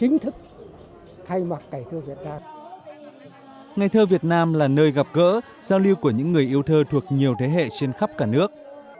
ngày thơ việt thơ việt nam là nơi gặp gỡ giao lưu của những người yêu thơ thuộc nhiều thế hệ trên khắp cả nước